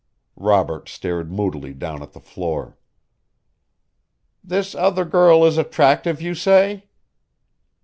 Robert stared moodily down at the floor. "This other girl is attractive, you say."